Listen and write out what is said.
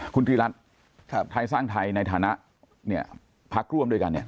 คุณธีรัฐไทยสร้างไทยในฐานะพักร่วมด้วยกัน